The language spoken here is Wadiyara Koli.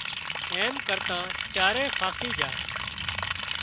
ايم ڪرتان چارئي ڦاسي جھا